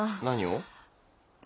何を？